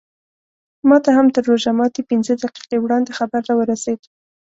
ماته هم تر روژه ماتي پینځه دقیقې وړاندې خبر راورسېد.